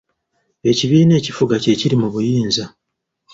Ekibiina ekifuga kye kiri mu buyinza.